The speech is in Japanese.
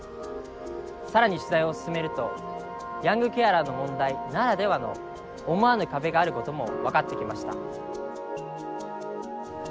更に取材を進めるとヤングケアラーの問題ならではの思わぬ壁があることも分かってきました。